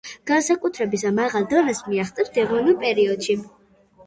განვითარების მაღალ დონეს მიაღწიეს დევონურ პერიოდში.